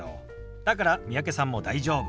だから三宅さんも大丈夫。